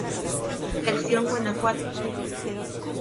Sección Guanajuato.